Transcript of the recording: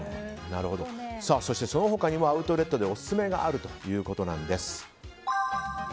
その他にもアウトレットでオススメがあるということなんです。